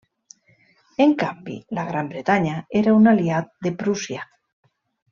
En canvi la Gran Bretanya era un aliat de Prússia.